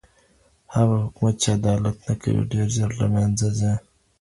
هغه حکومت چي عدالت نه کوي ډېر ژر له منځه ځي.